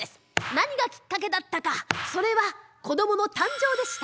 何がきっかけだったかそれはこどもの誕生でした。